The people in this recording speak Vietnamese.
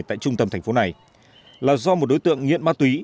tại trung tâm thành phố này là do một đối tượng nghiện ma túy